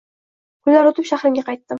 Kunlar oʻtib, shahrimga qaytdim